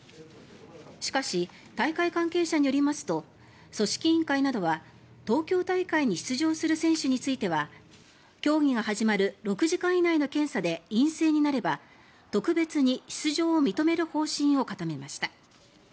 しかし、大会関係者によりますと組織委員会などは東京大会に出場する選手については競技が始まる６時間以内の検査で陰性になれば特別に出場を認める方針を固めました。